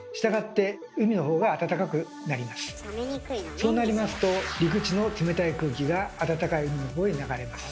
そうなりますと陸地の冷たい空気があたたかい海のほうへ流れます。